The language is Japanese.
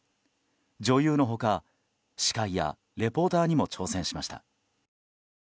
女優の他、司会やレポーターにも挑戦しました。